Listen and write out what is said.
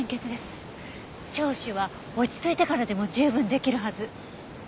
聴取は落ち着いてからでも十分できるはず。